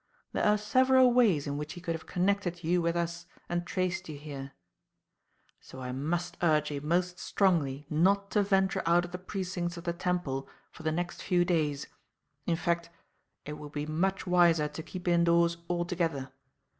There are several ways in which he could have connected you with us and traced you here; so I must urge you most strongly not to venture out of the precincts of the Temple for the next few days, in fact, it would be much wiser to keep indoors altogether.